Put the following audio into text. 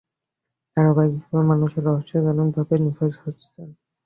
ধারাবাহিকভাবে মানুষ রহস্যজনকভাবে নিখোঁজ হচ্ছেন।